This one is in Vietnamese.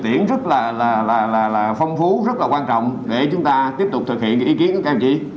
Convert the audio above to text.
tiễn rất là phong phú rất là quan trọng để chúng ta tiếp tục thực hiện ý kiến của các đại biểu chỉ